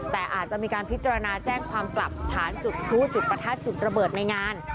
แต่อาจจะมีการพิจารณาแจ้งความกลับฐานจุดพลุจุดประทัดจุดระเบิดในงาน